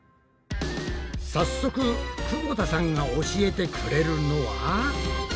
早速くぼ田さんが教えてくれるのは。